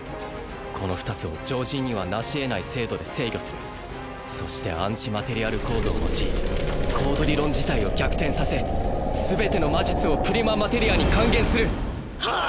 この二つを常人にはなしえない精度で制御するそしてアンチマテリアルコードを用いコード理論自体を逆転させ全ての魔術をプリママテリアに還元するはあ！？